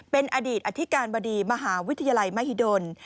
เป็นอดีตอธิการบดีมหาวิทยาลัยมหิดล